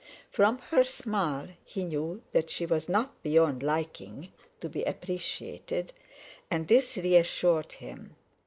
From her smile he knew that she was not beyond liking to be appreciated, and this reassured him.